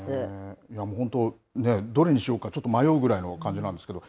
いや、もう、本当、どれにしようかちょっと迷うぐらいの感じなんですけど。